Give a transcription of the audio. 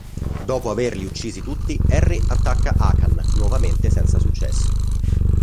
Dopo averli uccisi tutti, Henry attacca Akan, nuovamente senza successo.